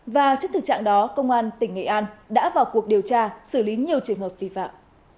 và trước thực trạng đó công an tỉnh nghệ an đã vào cuộc điều tra xử lý nhiều trường hợp vi phạm